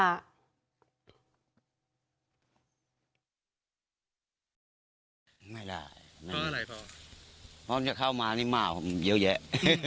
ไม่ล่ะพออะไรพอพอมันจะเข้ามานิ่งมากเยอะแยะ